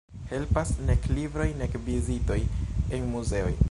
Helpas nek libroj nek vizitoj en muzeoj.